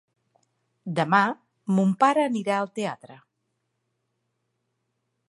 Demà mon pare anirà al teatre.